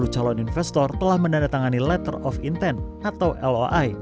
dua puluh calon investor telah menandatangani letter of intent atau loi